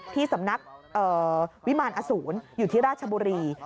ที่สำนักวิมารอสูรอยู่ที่ราชบุรี